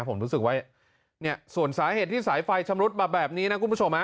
ผมรู้สึกว่าเนี่ยส่วนสาเหตุที่สายไฟชำรุดมาแบบนี้นะคุณผู้ชม